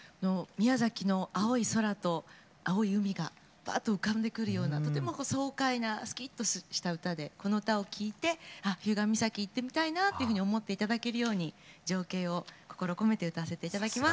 宮崎の青い空と青い海がバーッと浮かんでくるようなとても爽快なスキッとした歌でこの歌を聴いてあっ日向岬行ってみたいなっていうふうに思って頂けるように情景を心込めて歌わせて頂きます。